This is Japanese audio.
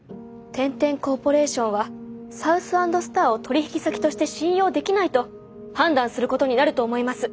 天・天コーポレーションはサウス＆スターを取引先として信用できないと判断することになると思います。